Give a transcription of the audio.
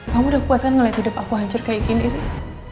kamu udah puas kan ngeliat hidup aku hancur kayak gini rik